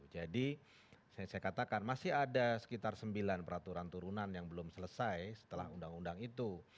jadi saya katakan masih ada sekitar sembilan peraturan turunan yang belum selesai setelah undang undang itu